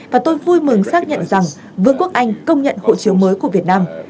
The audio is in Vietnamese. và tôi vui mừng xác nhận rằng vương quốc anh công nhận hộ chiếu mới của việt nam